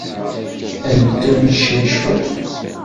Ad neddu ad ncali cwiṭ?